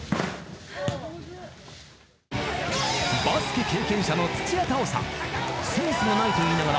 ［バスケ経験者の土屋太鳳さん］